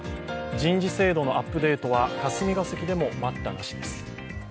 人事制度のアップデートは霞が関でも待ったなしです。